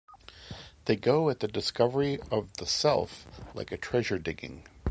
They go at the discovery of the self like a treasure-digging.